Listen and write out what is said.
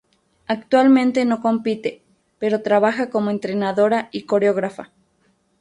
Actualmente no compite, pero trabaja como entrenadora y coreógrafa.